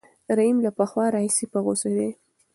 رحیم له پخوا راهیسې په غوسه دی.